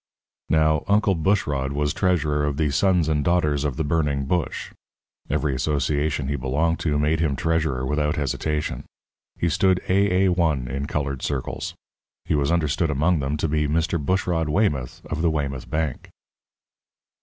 Now, Uncle Bushrod was treasurer of the Sons and Daughters of the Burning Bush. Every association he belonged to made him treasurer without hesitation. He stood AA1 in coloured circles. He was understood among them to be Mr. Bushrod Weymouth, of the Weymouth Bank.